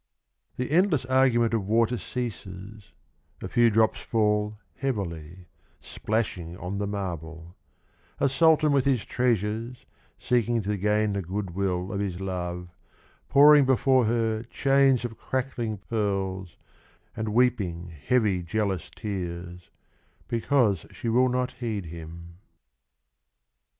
The endless argument of water ceases, A few drops fall heavily, splashing on the marble A sultan with his treasures Seeking to gain the goodwill of his love, Pouring before her chains of crackling pearls And weeping heavy jealous tears Because she will not heed him.